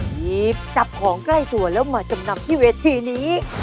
หยิบจับของใกล้ตัวแล้วมาจำนำที่เวทีนี้